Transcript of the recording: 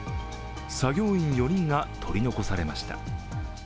作業員４人が取り残されました。